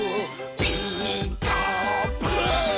「ピーカーブ！」